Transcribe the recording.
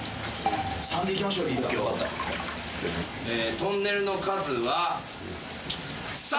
トンネルの数は。